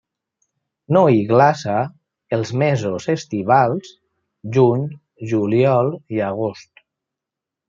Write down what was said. No hi glaça els mesos estivals: juny, juliol i agost.